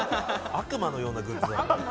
悪魔のようなグッズ。